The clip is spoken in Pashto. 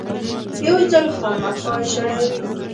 یو ځل خامخا ژړوي .